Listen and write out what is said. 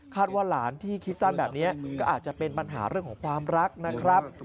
ว่าหลานที่คิดสั้นแบบนี้ก็อาจจะเป็นปัญหาเรื่องของความรักนะครับ